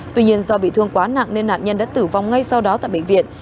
tuy nhiên do bị thương quá nặng nên nạn nhân đã tử vong ngay sau đó tại bệnh viện